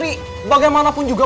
rasanya ini ada masalah juga